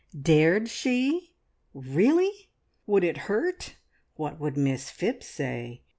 Dared she? Really! Would it hurt? What would Miss Phipps say?